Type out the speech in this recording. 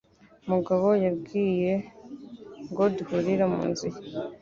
Mugabo yambwiye ngo duhurire mu nzu ye.